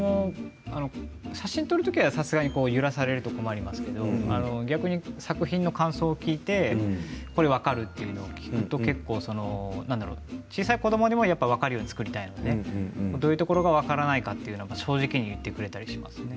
写真撮るときはさすがに揺らされると困りますけれど逆に作品の感想を聞いてこれ分かる？というのを聞くと結構小さい子どもにも分かるように作りたいのでどういうところか分からないか正直に言ってくれたりしますね。